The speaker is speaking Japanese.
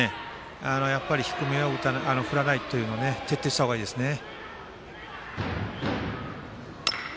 低めを振らないというのを徹底した方がいいですね。